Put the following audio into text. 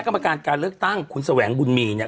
วันนี้ลูกฐานคุณแสวงบุญมีเนี่ย